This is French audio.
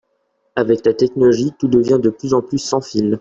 Avec la technologie tout devient de plus en plus sans fil.